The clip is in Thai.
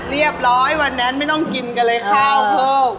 เรียบร้อยวันนั้นไม่ต้องกินกันเลยข้าวเพิ่ม